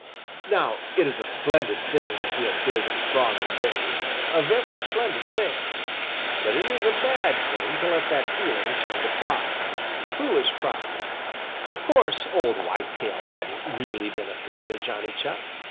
Now it is a splendid thing to feel big and strong and brave, a very splendid thing! But it is a bad thing to let that feeling turn to pride, foolish pride. Of course old Whitetail hadn't really been afraid of Johnny Chuck.